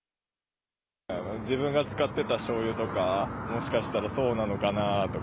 自分が使ってたしょうゆとか、もしかしたら、そうなのかなとか。